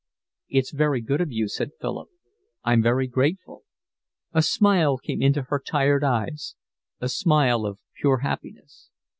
"It's very good of you," said Philip. "I'm very grateful." A smile came into her tired eyes, a smile of pure happiness.